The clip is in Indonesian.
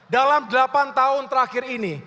dalam delapan tahun terakhir ini